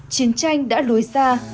chiến tranh đã lùi xa